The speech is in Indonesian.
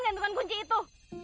gantungan kunci itu